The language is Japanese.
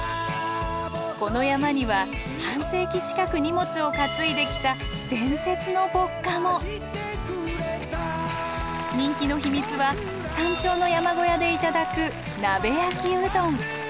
この山には半世紀近く荷物を担いできた「伝説の歩荷」も。人気の秘密は山頂の山小屋で頂く鍋焼きうどん。